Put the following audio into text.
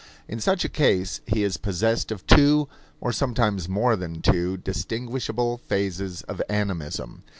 In such a case he is possessed of two, or sometimes more than two, distinguishable phases of animism.